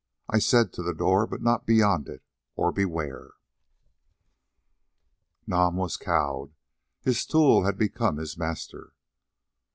I said to the door, but not beyond it, or beware!" Nam was cowed: his tool had become his master.